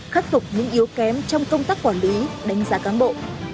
khắc phục những yếu kém trong công tác quản lý đánh giá cán bộ